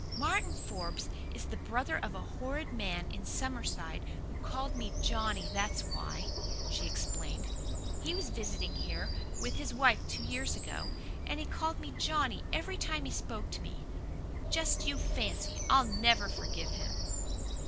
"Martin Forbes is the brother of a horrid man in Summerside who called me Johnny, that's why," she explained. "He was visiting here with his wife two years ago, and he called me Johnny every time he spoke to me. Just you fancy! I'll NEVER forgive him."